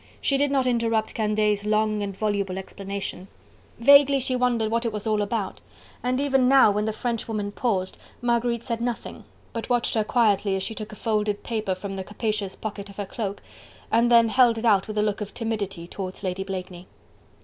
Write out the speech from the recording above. She did not interrupt Candeille's long and voluble explanation: vaguely she wondered what it was all about, and even now when the Frenchwoman paused, Marguerite said nothing, but watched her quietly as she took a folded paper from the capacious pocket of her cloak and then held it out with a look of timidity towards Lady Blakeney.